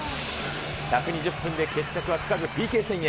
１２０分で決着はつかず、ＰＫ戦へ。